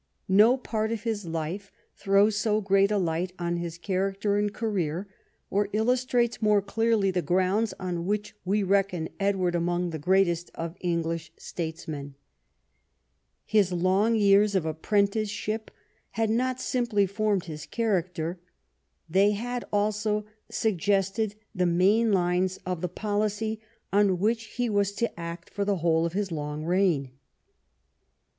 No part of his life throws so great a light on his character and career, or illustrates more clearly the grounds on which we reckon Edward among the greatest of English statesmen. His long years of apprenticeship had not simply formed his character. They had also suggested the main lines of the policy on which he was to act for the whole of his long reign.